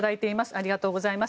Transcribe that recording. ありがとうございます。